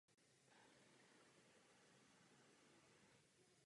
Opět působil ve Výboru pro veřejnou správu a regionální rozvoj.